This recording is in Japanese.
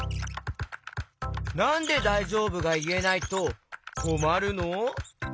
なんで「だいじょうぶ？」がいえないとこまるの？